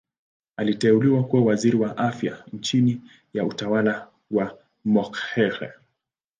Aliteuliwa kuwa Waziri wa Afya chini ya utawala wa Mokhehle.